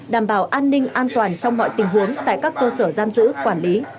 đảm bảo an ninh an toàn trong mọi tình huống tại các cơ sở giam giữ quản lý